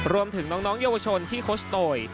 รวมถึงน้องเยาวชนที่โคชโตย